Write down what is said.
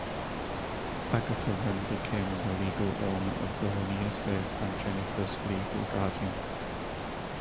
Agatha then became the legal owner of the Honey estate and Jennifer's legal guardian.